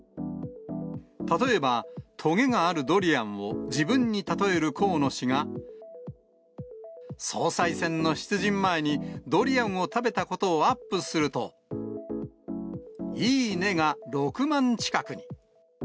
例えばとげがあるドリアンを自分に例える河野氏が、総裁選の出陣前に、ドリアンを食べたことをアップすると、いいねが６万近くに。